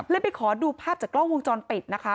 ไปขอดูภาพจากกล้องวงจรปิดนะคะ